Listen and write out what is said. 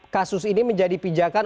kasus ini menjadi pijakan